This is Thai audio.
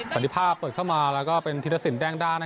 ซาลิภากเปิดเข้ามาแล้วก็เป็นธิลศีลแด้งด้าน